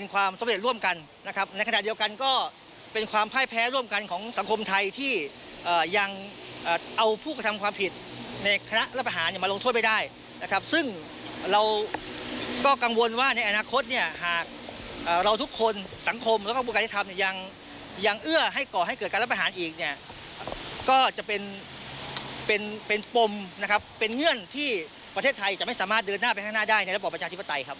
ก็จะเป็นปมเป็นเงื่อนที่ประเทศไทยจะไม่สามารถเดินหน้าไปข้างหน้าได้ในระบบประชาชิบปฏิ